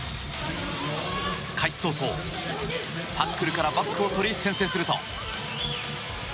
開始早々、タックルからバックを取り、先制すると。